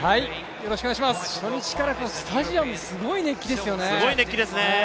初日からスタジアム、すごい熱気ですね。